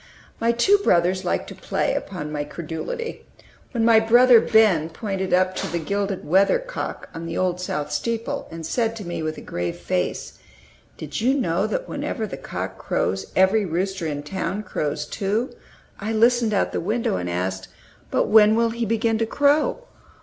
My two brothers liked to play upon my credulity. When my brother Ben pointed up to the gilded weather cock on the Old South steeple, and said to me with a very grave face, "Did you know that whenever that cock crows every rooster in town crows too?" I listened out at the window, and asked, "But when will he begin to crow?"